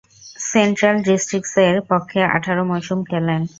Central ডিস্ট্রিক্টসের পক্ষে আঠারো মৌসুম খেলেন।